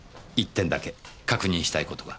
１点だけ確認したい事が。